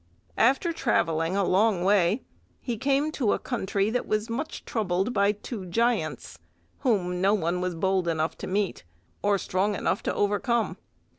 After travelling a long way, he came to a country that was much troubled by two giants, whom no one was bold enough to meet, and strong enough to overcome.